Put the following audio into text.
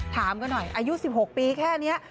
ถามกันหน่อยอายุ๑๖ปีแค่นี้